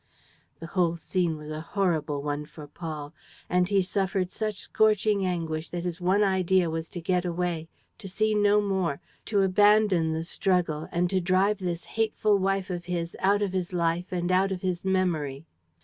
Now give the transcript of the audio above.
The whole scene was a horrible one for Paul; and he suffered such scorching anguish that his one idea was to get away, to see no more, to abandon the struggle and to drive this hateful wife of his out of his life and out of his memory.